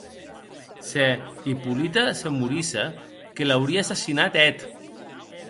Se Hippolyte se morisse, que l’aurie assassinat eth.